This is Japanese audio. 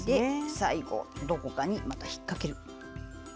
最後、どこかに引っかける。